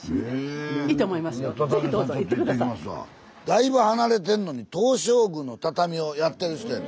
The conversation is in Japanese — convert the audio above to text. だいぶ離れてんのに東照宮の畳をやってる人やねん。